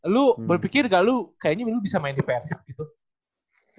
lu berpikir gak lu kayaknya lu bisa main di persib gitu